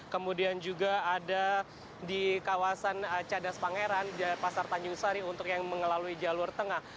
kemudian juga ada di kawasan cadas pangeran pasar tanjung sari untuk yang mengelalui jalur tengah